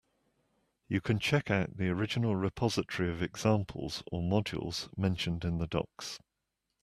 You can check out the original repository of examples or modules mentioned in the docs.